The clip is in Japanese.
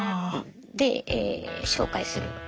で紹介する。